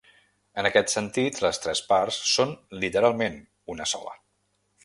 En aquest sentit, les tres parts són literalment una sola.